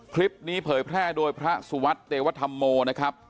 คลิปนี้เผยแพร่โดยพระสุวัทธ์เตวัตหัวธรรมโมนะครับ